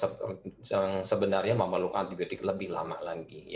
tetapi juga ada satu dua kondisi saja yang sebenarnya memerlukan antibiotik lebih lama lagi